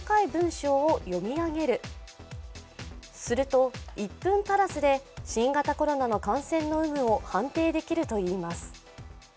すると、１分足らずで新型コロナの感染の有無を判定できるといいます。